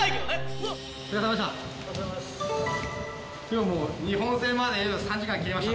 日本戦まで３時間切りました。